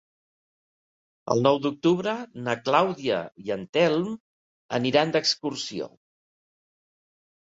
El nou d'octubre na Clàudia i en Telm aniran d'excursió.